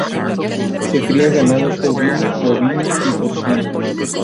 Se cría ganado ovino, bovino y porcino.